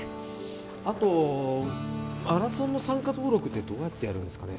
あとマラソンの参加登録ってどうやってやるんですかね？